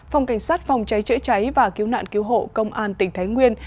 phòng cảnh sát phòng cháy chữa cháy và cứu nạn cứu hộ công an tỉnh thái nguyên